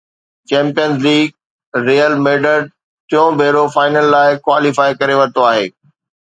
champions League Real Madrid ٽيون ڀيرو final لاءِ ڪواليفائي ڪري ورتو آهي